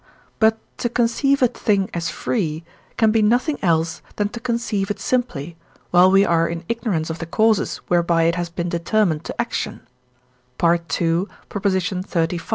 But to conceive a thing as free can be nothing else than to conceive it simply, while we are in ignorance of the causes whereby it has been determined to action (II. xxxv.